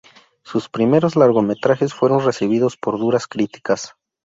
Sus primeros largometrajes fueron recibidos por duras críticas.